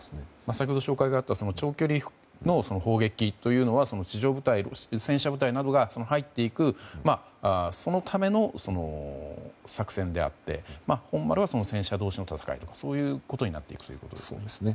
先ほどあった長距離の砲撃というのは地上部隊、戦車部隊などが入っていくそのための作戦であって本丸は戦車同士の戦いということになっていくということですね。